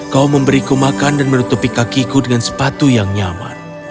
kau memberiku makan dan menutupi kakiku dengan sepatu yang nyaman